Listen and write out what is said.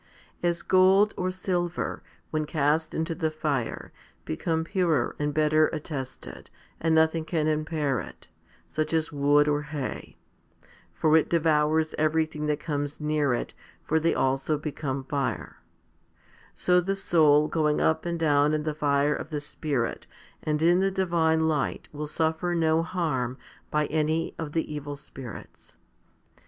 2 As gold or silver, when cast into the fire, becomes purer and better attested, and nothing can impair it, such as wood or hay for it devours everything that comes near it, for they also become fire so the soul going up and down in the fire of the Spirit and in the divine light will surfer no harm by any of the evil spirits.